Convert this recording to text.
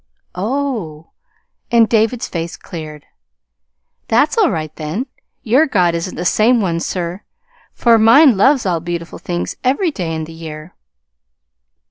"Oh!" and David's face cleared. "That's all right, then. Your God isn't the same one, sir, for mine loves all beautiful things every day in the year."